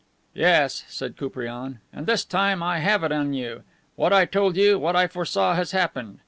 "Yes," said Koupriane. "And this time I have it on you. What I told you, what I foresaw, has happened.